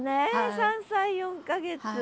３歳４か月。